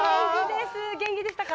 元気でしたか？